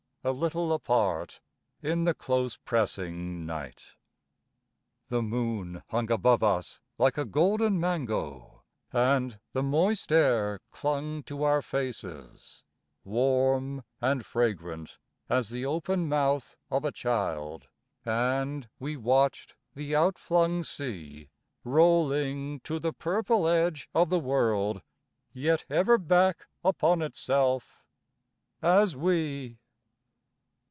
a little apart... in the close pressing night. The moon hung above us like a golden mango, And the moist air clung to our faces, Warm and fragrant as the open mouth of a child And we watched the out flung sea Rolling to the purple edge of the world, Yet ever back upon itself... As we...